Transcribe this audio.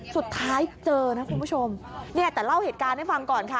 สุดท้ายเจอนะคุณผู้ชมเนี่ยแต่เล่าเหตุการณ์ให้ฟังก่อนค่ะ